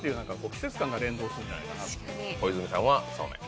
小泉さんはそうめん。